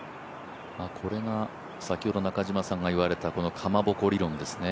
これが先ほど中嶋さんが言われたかまぼこ理論ですね。